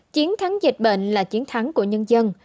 chiến thắng dịch bệnh là chiến thắng của nhân dân